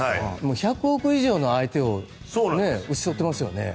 １００億以上の相手を押しちゃってますよね。